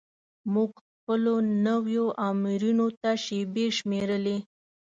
موږ خپلو نویو آمرینو ته شیبې شمیرلې.